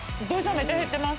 めっちゃ減ってます。